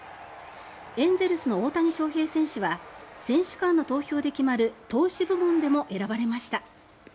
エンゼルスの大谷翔平選手は選手間の投票で決まる投手部門でも選ばれました。